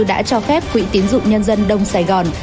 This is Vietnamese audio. đã cho phép quỹ tiến dụng nhân dân đông sài gòn